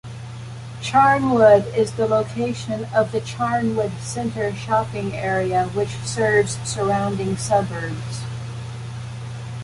Charnwood is the location of the Charnwood centre shopping area which serves surrounding suburbs.